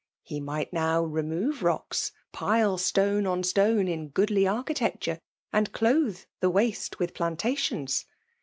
He .might now remove rocksj pile sione ou 8^911^. in goodly architecture, and clothQ the if^^e:wijth plants^tions.